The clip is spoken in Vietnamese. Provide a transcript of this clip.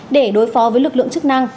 để đối phó với lực lượng chức năng